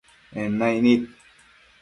En naic nid